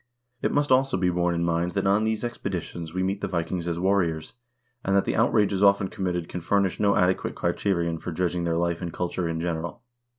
It must also be borne in mind that on these expeditions we meet the Vikings as warriors, and that the outrages often committed can furnish no adequate criterion for judging their life and culture in general.